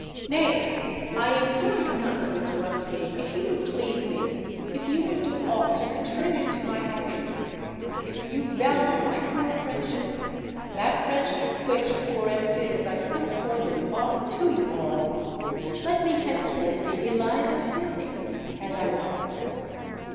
Nay—I implore you not to interrupt me: if you would please me—if you would do aught to contribute to my happiness—if you value my poor friendship,—that friendship, which, poor as it is, I so cordially offer to you all,—let me henceforth be Eliza Sydney, as I once was.